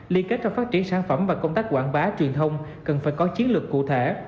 liên kết trong phát triển sản phẩm và công tác quảng bá truyền thông cần phải có chiến lược cụ thể